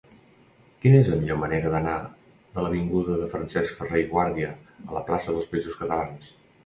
Quina és la millor manera d'anar de l'avinguda de Francesc Ferrer i Guàrdia a la plaça dels Països Catalans?